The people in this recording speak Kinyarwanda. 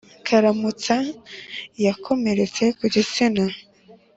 karamutsa yakomeretse ku gitsi